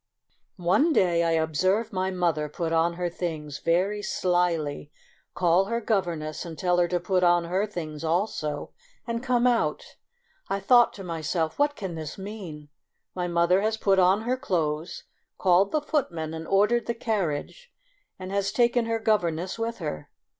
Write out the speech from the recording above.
One day I observed my mother put on her things very slily, call her governess and tell her to put on her things also, and come out. I thought to myself, " What can this mean \ My mother has put on her clothes, called the footman and ordered the carriage, and has taken her governess with her."